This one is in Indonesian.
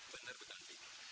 benar betul bibi